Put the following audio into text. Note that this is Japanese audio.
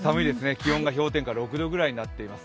気温が氷点下６度くらいになっています。